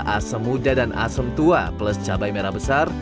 asam muda dan asam tua plus cabai merah besar